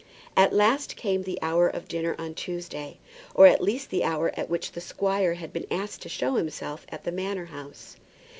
At last came the hour of dinner on Tuesday, or at least the hour at which the squire had been asked to show himself at the Manor House.